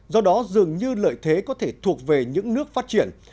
do đó dường như lợi thế có thể thuộc về những nước phát triển